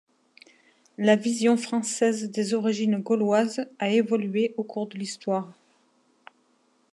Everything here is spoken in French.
La vision française des origines gauloises a évolué au cours de l'histoire.